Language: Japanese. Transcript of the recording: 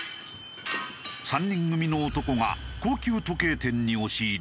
３人組の男が高級時計店に押し入り